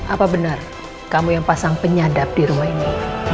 apa benar kamu yang pasang penyadap di rumah ini